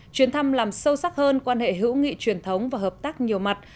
chuyến thăm làm sâu sắc hơn quan hệ hữu nghị truyền thống và hợp tác nhiều mặt